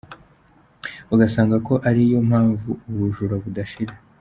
Bagasanga ko ariyo mpamvu ubu bujura budashira.